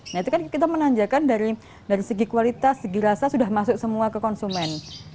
nah itu kan kita menanjakan dari segi kualitas segi rasa sudah masuk semua ke konsumen